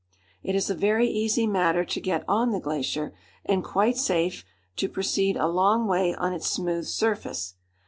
It is a very easy matter to get on the glacier, and quite safe to proceed a long way on its smooth surface.